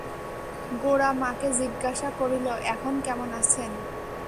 গোরা মাকে জিজ্ঞাসা করিল, এখন কেমন আছেন?